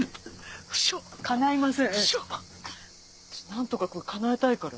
何とかかなえたいから。